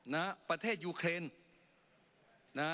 นะฮะประเทศยูเครน